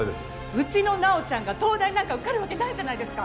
うちの菜緒ちゃんが東大なんか受かるわけないじゃないですか！